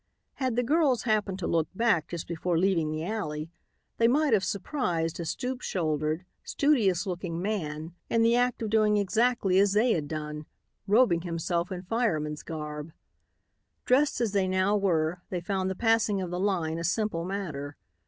Had the girls happened to look back just before leaving the alley they might have surprised a stoop shouldered, studious looking man in the act of doing exactly as they had done, robing himself in fireman's garb. Dressed as they now were, they found the passing of the line a simple matter.